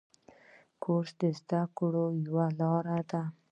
کورس د زده کړو یوه لاره ده.